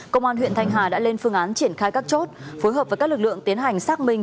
công an huyện thanh hà đã lên phương án triển khai các chốt phối hợp với các lực lượng tiến hành xác minh